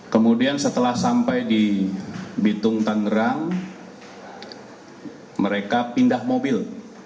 kemudian setelah sampai di bitung tangerang mereka pindah mobil